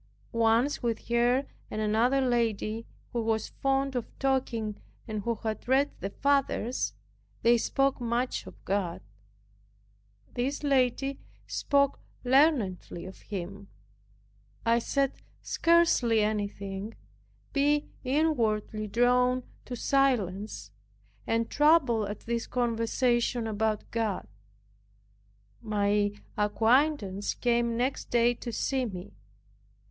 Once with her and another lady, who was fond of talking and who had read "the fathers," they spoke much of God. This lady spoke learnedly of Him. I said scarcely anything, being inwardly drawn to silence, and troubled at this conversation about God. My acquaintance came next day to see me.